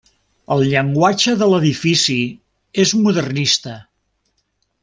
El llenguatge de l'edifici és modernista.